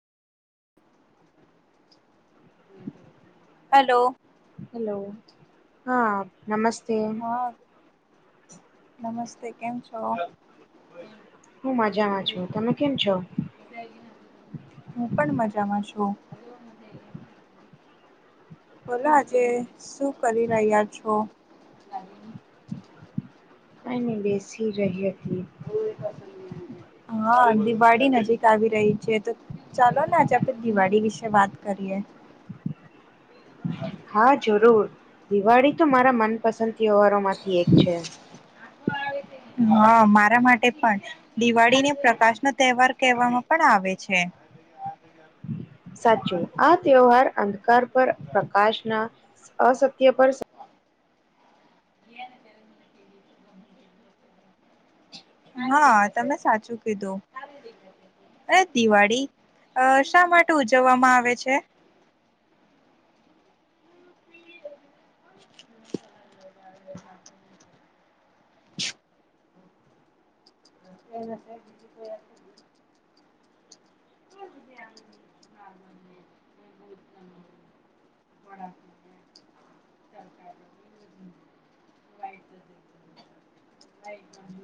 Hello. Hello હા નમસ્તે હા નમસ્તે કેમ છો? હું મજામાં છું તમે કેમ છો? હું પણ મજામાં છું. બોલો આજે શું કરી રહ્યા છો કાઈ નહી બેસી રહી હતી હમ્મ હા દિવાળી નજીક આવી રહી છે તો ચાલો ને આજે આપણે દિવાળી વિશે વાત કરીએ હા જરૂર દિવાળી તો મારા મનપસંદ તહેવારો માંથી એક છે. હા મારા માટે પણ દિવાળી ને પ્રકાશ નો તહેવાર કહેવામાં પણ આવે છે. સાચું આ તહેવાર અંધકાર પર પ્રકાશના અસત્ય પર સ હા તમે સાચું કીધું અને દિવાળી અ શા માટે ઉજવામાં આવે છે [unintelligible] [unintelligible] [inaudible] [unintelligible] વડા લાઇટ નથી